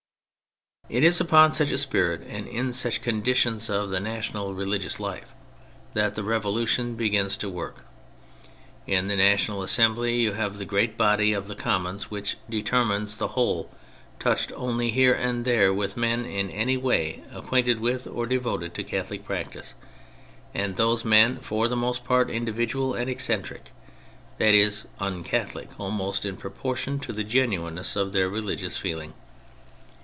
It is upon such a spirit and in such condi tions of the national religious life that the Revolution begins to work. In the National Assembly you have the great body of the Commons which determines the whole, touched only here and there with men in any way acquainted with or devoted to Catholic practice, and those men for the most part individual and eccentric, that is, uncatholic, almost in proportion to the genuineness of their religious feeling.